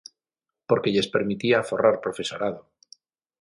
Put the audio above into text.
Porque lles permitía aforrar profesorado.